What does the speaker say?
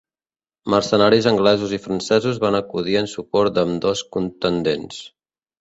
Mercenaris anglesos i francesos van acudir en suport d'ambdós contendents.